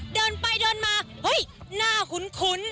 เดินไปเดินมาเฮ้ยหน้าคุ้น